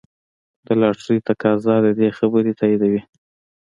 د لاټرۍ تقاضا د دې خبرې تاییدوي.